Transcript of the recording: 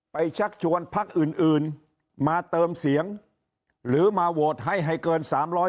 ชักชวนพักอื่นมาเติมเสียงหรือมาโหวตให้ให้เกิน๓๕